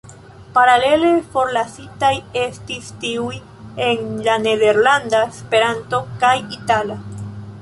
Paralele, forlasitaj estis tiuj en la nederlanda, Esperanto kaj itala.